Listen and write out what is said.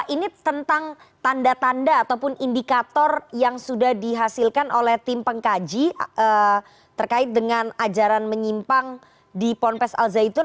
ini tentang tanda tanda ataupun indikator yang sudah dihasilkan oleh tim pengkaji terkait dengan ajaran menyimpang di ponpes al zaitun